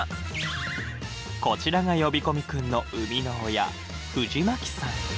こちらが呼び込み君の生みの親藤巻さん。